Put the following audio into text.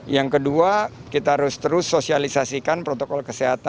yang kedua kita harus terus sosialisasikan protokol kesehatan